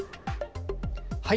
はい。